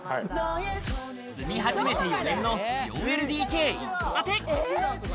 住み始めて４年の４ＬＤＫ一戸建て。